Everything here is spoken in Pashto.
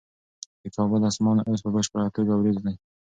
د کابل اسمان اوس په بشپړه توګه وریځ دی.